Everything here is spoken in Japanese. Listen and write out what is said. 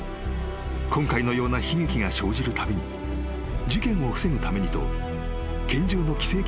［今回のような悲劇が生じるたびに事件を防ぐためにと拳銃の規制強化を求める動きが出る］